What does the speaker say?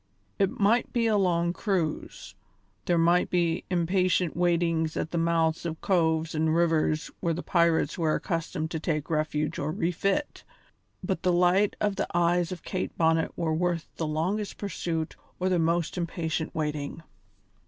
It might be a long cruise, there might be impatient waitings at the mouths of coves and rivers where the pirates were accustomed to take refuge or refit, but the light of the eyes of Kate Bonnet were worth the longest pursuit or the most impatient waiting.